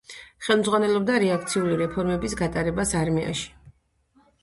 ხელმძღვანელობდა რეაქციული რეფორმების გატარებას არმიაში.